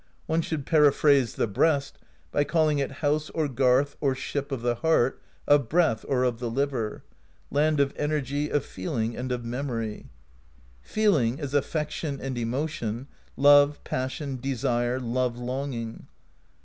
One should periphrase the breast by calling it House or Garth or Ship of the Heart, of Breath, or of the Liver; Land of Energy, of Feeling, and of Memory]. Feeling is affec tion and emotion, love, passion, desire, love longing.